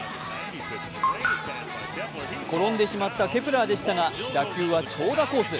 転んでしまったケプラーでしたが打球は長打コース。